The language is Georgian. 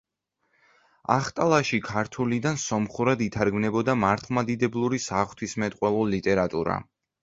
ახტალაში ქართულიდან სომხურად ითარგმნებოდა მართლმადიდებლური საღვთისმეტყველო ლიტერატურა.